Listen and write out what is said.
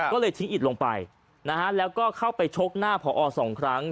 ก็เลยทิ้งอิดลงไปนะฮะแล้วก็เข้าไปชกหน้าผอสองครั้ง